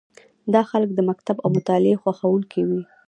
دا خلک د مکتب او مطالعې خوښوونکي وي.